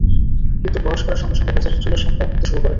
কিন্তু বয়স বাড়ার সঙ্গে সঙ্গে বেচারির চুলের সংখ্যাও কমতে শুরু করে।